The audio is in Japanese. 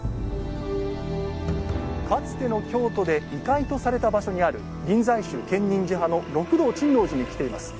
かつての京都で異界とされた場所にある臨済宗建仁寺派の六道珍皇寺に来ています。